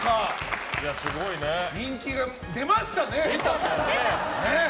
人気が出ましたね！